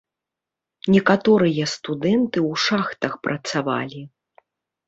Некаторыя студэнты ў шахтах працавалі.